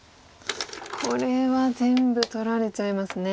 これは全部取られちゃいますね。